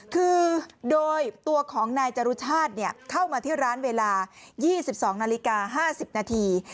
คือโดยตัวของนายจรุชาติเข้ามาที่ร้านเวลา๒๒นาฬิกา๕๐นาที